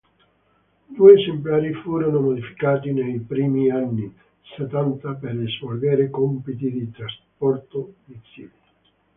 Due esemplari furono modificati nei primi anni settanta per svolgere compiti di trasporto missili.